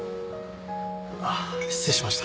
ああ失礼しました。